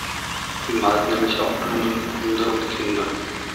Sie malt nämlich auch Blumen, Hunde und Kinder.